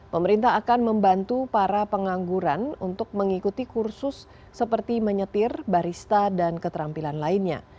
pemerintah akan membantu para pengangguran untuk mengikuti kursus seperti menyetir barista dan keterampilan lainnya